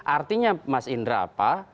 artinya mas indra apa